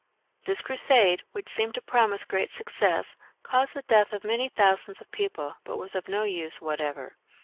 This Crusade, which seemed to promise great success, caused the death of many thousands of people, but was of no use whatever.